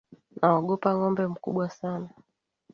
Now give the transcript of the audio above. Naogopa ng'ombe mkubwa sana.